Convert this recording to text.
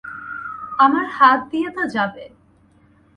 আমার হাত দিয়ে তো যাবে।